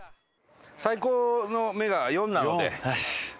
最高の目が「４」なので。